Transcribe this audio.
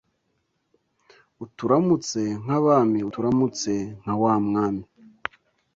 Uturamutse nk’Abami Uturamutse nka wa Mwami